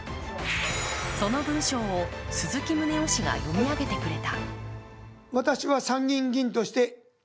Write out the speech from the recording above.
その文章を鈴木宗男氏が読み上げてくれた。